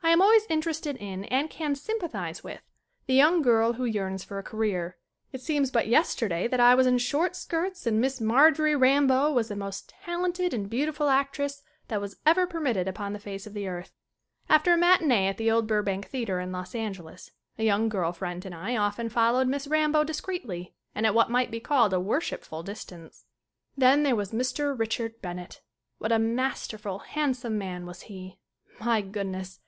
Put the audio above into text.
I am always interested in and can sympa thize with the young girl who yearns for a career. It seems but yesterday that I was in short skirts and Miss Marjorie Rambeau was the most talented and beautiful actress that was ever permitted upon the face of the earth. After a matinee at the old Burbank theater in Los Angeles a young girl friend and I often followed Miss Rambeau discreetly and at what might be called a worshipful distance. 32 SCREEN ACTING Then there was Mr. Richard Bennett. What a masterful, handsome man was he! My goodness!